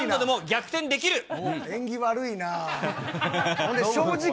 縁起悪いな。